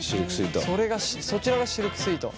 そちらがシルクスイート。